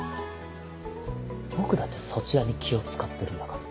僕だってそちらに気を使ってるんだから。